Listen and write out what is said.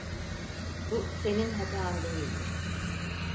Bu senin hatan değildi.